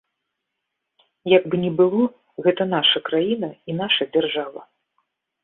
Як бы ні было, гэта наша краіна і наша дзяржава.